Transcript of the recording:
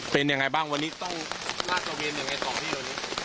เป็นอย่างไรบ้างวันนี้ต้องลาเจ้าเวรยังไงต่อที่โดยนี้